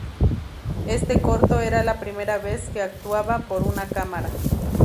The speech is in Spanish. Este corto era la primera vez que actuaba para una cámara.